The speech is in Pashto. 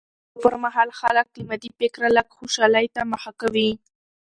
د مېلو پر مهال خلک له مادي فکره لږ خوشحالۍ ته مخه کوي.